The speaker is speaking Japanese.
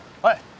はい！